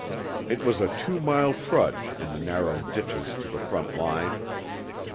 It was a two mile trudge in the narrow ditches to the front line.